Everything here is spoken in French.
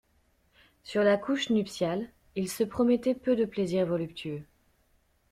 Sur la couche nuptiale, il se promettait peu de plaisir voluptueux.